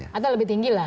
atau lebih tinggi lah